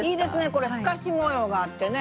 これ透かし模様があってね。